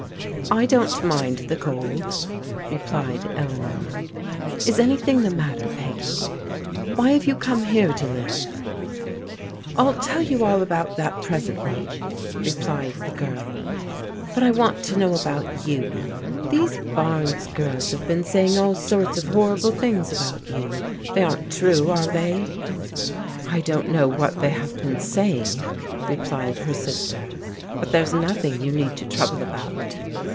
" I don't mind the cold," replied Eleanor. " Is any thing the matter, Peggy? Why have you come here to live?" " I'll tell you all about that presently," replied the girl, "but I want to know about you. These Barnes girls have been saying all sorts of horrible things about you. They aren't true, are they ?"" I don't know what they have been saying," replied her sister, " but there's nothing that you need to trouble about."